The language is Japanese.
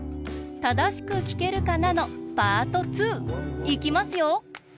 「ただしくきけるかな」のパート２！いきますよ！